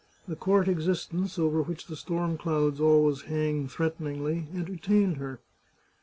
The court exis tence, over which the storm cloud always hangs threaten ingly, entertained her.